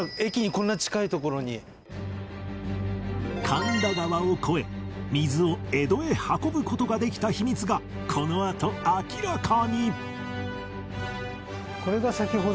神田川を越え水を江戸へ運ぶ事ができた秘密がこのあと明らかに！